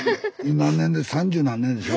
何年三十何年でしょ？